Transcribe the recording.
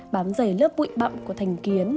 bám dày lớp bụi bậm của thành kiến